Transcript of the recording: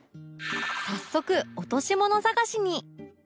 早速落とし物探しに